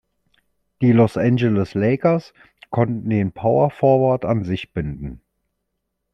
Die Los Angeles Lakers konnten den Power Forward an sich binden.